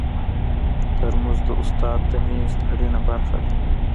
ترموز د استاد د میز اړینه برخه ده.